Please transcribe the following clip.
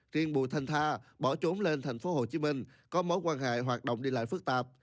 riêng bùi thanh tha bỏ trốn lên tp hcm có mối quan hệ hoạt động đi lại phức tạp